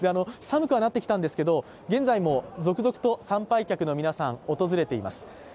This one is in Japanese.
寒くはなってきたんですが、現在も続々と参拝客の皆さん、訪れています。